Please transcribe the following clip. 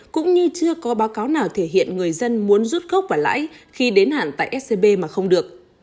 cũng như chưa có báo cáo nào thể hiện người dân muốn rút gốc và lãi khi đến hạn tại scb mà không được